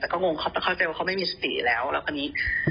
แต่ก็อยากถามเหมือนกันว่าเป็นอะไร